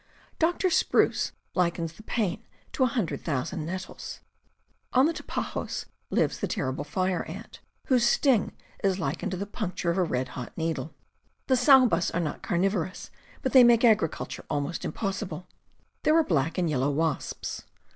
... Doctor Spruce likens the pain to a hundred thousand nettles. ... On the Tapajos lives the terrible fire ant ... whose sting is likened to the punc ture of a red hot needle. The sailbas are not carnivorous, but they make agriculture almost impossible. ... There are black and yellow wasps.